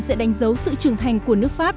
sẽ đánh dấu sự trưởng thành của nước pháp